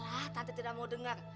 alah tante tidak mau dengar